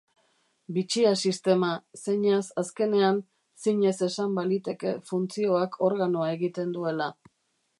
Bitxia sistema, zeinaz azkenean zinez esan bailiteke funtzioak organoa egiten duela.